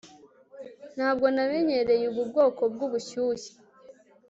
ntabwo namenyereye ubu bwoko bwubushyuhe